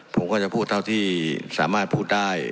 ผมก็จะพูดเท่าที่สามารถพูดได้